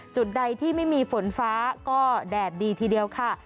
จุดใดที่ไม่มีฝนฟ้าก็แดดดีทีเดียวค่ะ